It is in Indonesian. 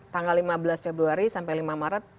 tanggal lima belas februari sampai lima maret